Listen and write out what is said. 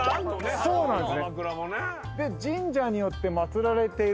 そうなんですよ